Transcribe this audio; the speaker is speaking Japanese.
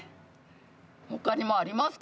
他にもありますか？